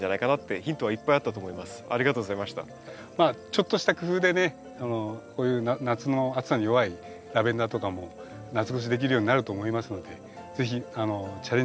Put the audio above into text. ちょっとした工夫でねこういう夏の暑さに弱いラベンダーとかも夏越しできるようになると思いますので是非チャレンジして頂きたいと思います。